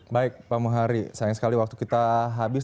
baik pak muhari sayang sekali waktu kita habis